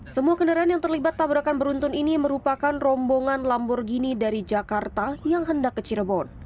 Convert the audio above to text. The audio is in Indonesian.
semua kendaraan yang terlibat tabrakan beruntun ini merupakan rombongan lamborghini dari jakarta yang hendak ke cirebon